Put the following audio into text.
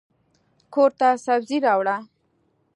کورته سبزي راوړه.